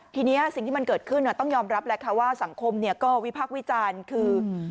ทีนี้สิ่งที่มันเกิดขึ้นต้องยอมรับแหละค่ะว่าสังคมก็วิพักษ์วิจารณ์คือ